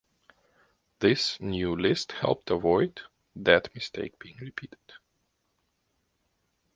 This new list helped avoid that mistake being repeated.